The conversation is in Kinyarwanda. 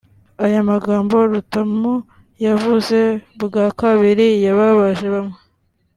Aya magambo Rutamu yavuze bwa kabiri yababaje bamwe